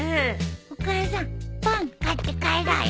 お母さんパン買って帰ろうよ。